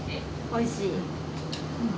おいしい。